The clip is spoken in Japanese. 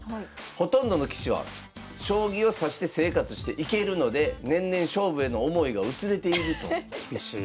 ほとんどの棋士は将棋を指して生活していけるので年々勝負への思いが薄れていると厳しい。